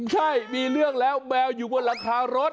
ใช่มีเรื่องแล้วแมวอยู่บนหลังคารถ